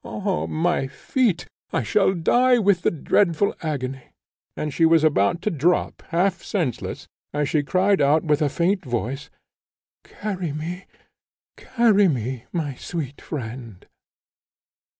Ah, my feet! I shall die with the dreadful agony." And she was about to drop, half senseless, as she cried out with a faint voice, "Carry me, carry me, my sweet friend!"